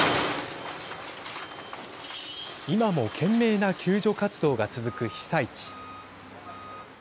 今も懸命な救助活動が続く被災地。